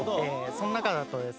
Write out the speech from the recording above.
その中だとですね